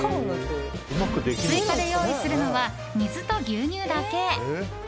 追加で用意するのは水と牛乳だけ。